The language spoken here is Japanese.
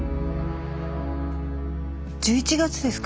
１１月ですか？